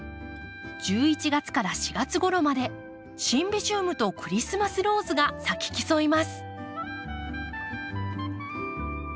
１１月から４月ごろまでシンビジウムとクリスマスローズが咲き競います。